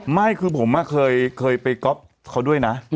ไม่คือผมเคยไปก๊อฟเขาด้วยนะ